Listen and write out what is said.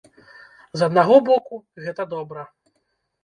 З аднаго боку, гэта добра.